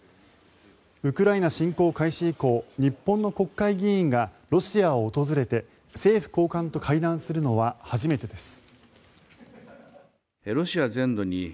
ウクライナ侵攻開始以降日本の国会議員がロシアを訪れて政府高官と会談するのは初めてです。